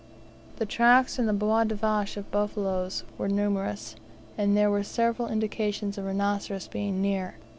The tracks and the bois de vaches of buffaloes were numerous, and there were several indications of rhinoceros being near.